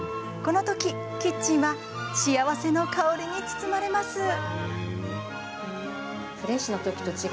この時、キッチンは幸せの香りに包まれます。